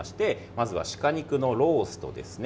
まずは鹿肉のローストですね。